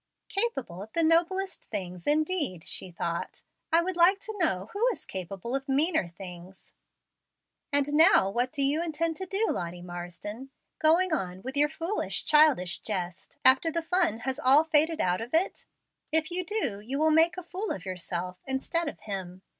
"'Capable of the noblest things,' indeed," she thought. "I would like to know who is capable of meaner things. And now what do you intend to do, Lottie Marsden? Going on with your foolish, childish jest, after the fun has all faded out of it? If you do, you will make a fool of yourself instead of him.